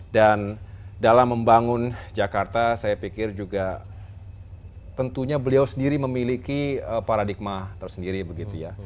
dan dalam membangun jakarta saya pikir juga tentunya beliau sendiri memiliki paradigma tersendiri